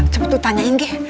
cepet lo tanyain g